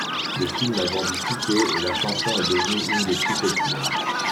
Le film a vendu tickets et la chanson est devenue une des plus populaires.